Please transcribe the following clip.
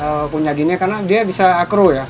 dia punya gini karena dia bisa acro ya